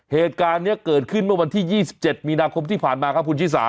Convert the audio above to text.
เหตุการณ์นี้เกิดขึ้นเมื่อวันที่๒๗มีนาคมที่ผ่านมาครับคุณชิสา